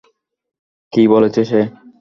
কি বলেছে সে?